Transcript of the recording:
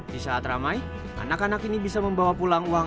di saat ramai anak anak ini bisa membawa pulang uang